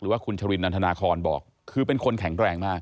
ว่าคุณชรินนันทนาคอนบอกคือเป็นคนแข็งแรงมาก